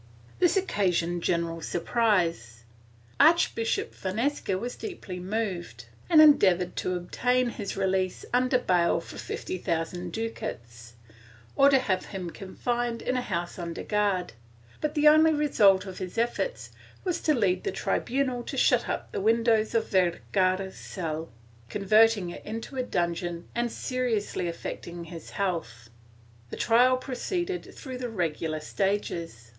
This occasioned general surprise. Archbishop Fonseca was deeply moved and endeavored to obtain his release under bail for fifty thousand ducats, or to have him confined in a house under guard, but the only result of his efforts was to lead the tribunal to shut up the windows of Vergara's cell, converting it into a dungeon and seriously affecting his health. The trial proceeded through the regular stages.